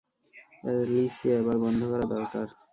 Alicia, এবার বন্ধ করা দরকার।